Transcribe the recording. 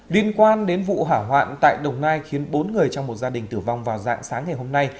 liên quan đến vụ hỏa hoạn tại đồng nai khiến bốn người trong một gia đình tử vong vào dạng sáng ngày hôm nay